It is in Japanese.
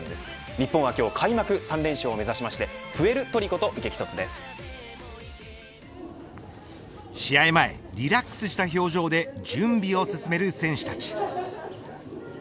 日本は今日開幕３連勝を目指しまして試合前、リラックスした表情で準備を進める選手たち。